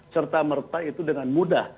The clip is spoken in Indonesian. serta merta itu dengan mudah